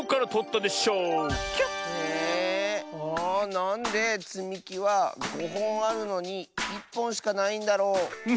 なんでつみきは５ほんあるのに１ぽんしかないんだろ？